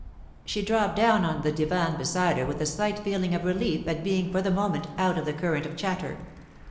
She dropped down on the divan beside her with a slight feeling of relief at being for the moment out of the current of chatter.